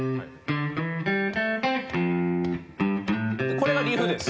これがリフです。